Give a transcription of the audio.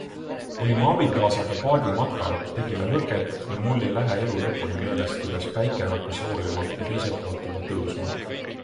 Olime abikaasaga paadimatkal, tegime lõket ja mul ei lähe elu lõpuni meelest, kuidas päike hakkas loojuma ja teiselt poolt juba tõusma.